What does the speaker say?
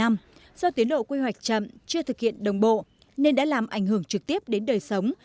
ngày nay đã gần một mươi năm do tiến độ quy hoạch chậm chưa thực hiện đồng bộ nên đã làm ảnh hưởng trực tiếp đến đời sống